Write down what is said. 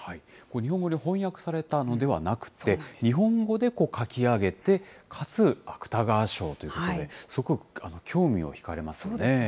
日本語で翻訳されたのではなくて、日本語で書き上げて、かつ芥川賞ということで、そうですよね。